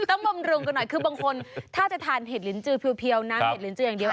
บำรุงกันหน่อยคือบางคนถ้าจะทานเห็ดลิ้นจือเพียวน้ำเห็ดลิ้นจืออย่างเดียว